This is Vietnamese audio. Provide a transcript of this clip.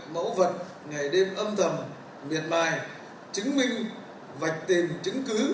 mẫu vật ngày đêm âm thầm miệt mài chứng minh vạch tìm chứng cứ